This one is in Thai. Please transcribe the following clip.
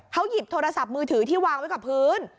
เขาหยิบโทรศัพท์มือถือที่วางไว้กับพื้น